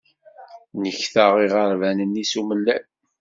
Nekta iɣerban-nni s umellal.